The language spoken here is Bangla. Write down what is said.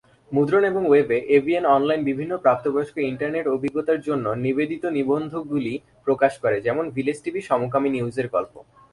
মুদ্রণ এবং ওয়েবে, এভিএন অনলাইন বিভিন্ন প্রাপ্তবয়স্ক ইন্টারনেট অভিজ্ঞতার জন্য নিবেদিত নিবন্ধগুলি প্রকাশ করে, যেমন ভিলেজ টিভি "সমকামী নিউজের" গল্প।